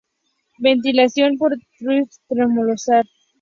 Ventilación por sunt termosolar.